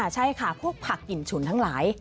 ใช่ค่ะพวกผักกลิ่นฉุนทั้งหลาย